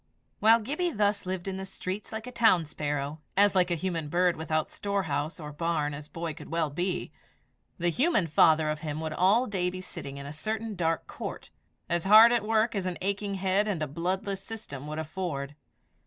While Gibbie thus lived in the streets like a town sparrow as like a human bird without storehouse or barn as boy could well be the human father of him would all day be sitting in a certain dark court, as hard at work as an aching head and a bloodless system would afford.